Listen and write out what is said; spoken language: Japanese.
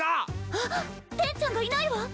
あっテンちゃんがいないわ。